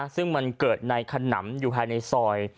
ซึ่งมันเกิดในขนำอยู่ภายในซอย